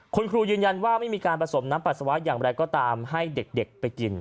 คุณครูยืนยันว่าไม่มีการผสมน้ำปัสสาวะอย่างไรก็ตามให้เด็กไปกิน